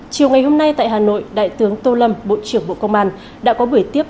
chiều ngày hôm nay tại hà nội đại tướng tô lâm bộ trưởng bộ công an đã có buổi tiếp